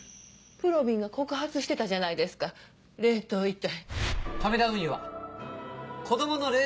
ぷろびんが告発してたじゃないですか冷凍遺体。